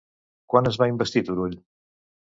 Quan es va investir Turull?